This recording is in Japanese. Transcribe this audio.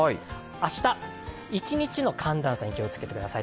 明日、一日の寒暖差に気を付けてください。